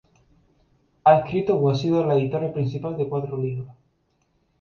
Ha escrito o ha sido la editora principal de cuatro libros.